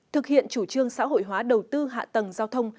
thực hiện chủ trương xã hội hóa đầu tư hạ tầng giao thông